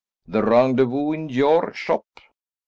The rendezvous in your shop!